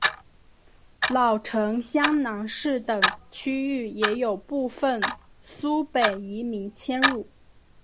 老城厢南市等区域也有部分苏北移民迁入。